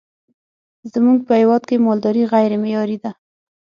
زمونږ په هیواد کی مالداری غیری معیاری ده